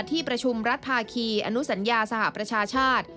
ที่ประชุมรัฐภาคีอนุสัญญาสหประชาชาติ